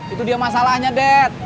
itu dia masalahnya de